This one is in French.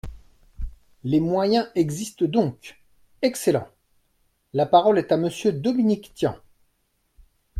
Les moyens existent donc ! Excellent ! La parole est à Monsieur Dominique Tian.